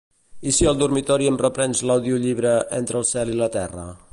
I si al dormitori em reprens l'audiollibre "Entre el cel i la terra"?